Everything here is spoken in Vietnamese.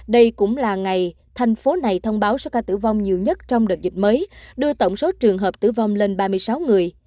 đây cũng là ngày thành phố này thông báo số ca tử vong nhiều nhất trong đợt dịch mới đưa tổng số trường hợp tử vong lên ba mươi sáu người